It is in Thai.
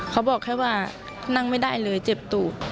เขาบอกแค่ว่านั่งไม่ได้เลยเจ็บตูบ